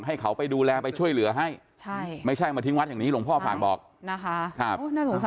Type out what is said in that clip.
ให้เขาไปดูแลไปช่วยเหลือให้ไม่ใช่มาทิ้งวัดอย่างนี้หลวงพ่อฝากบอกนะคะ